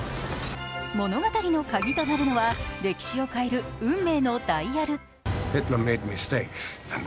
物語の鍵となるのは、歴史を変える運命のダイヤル。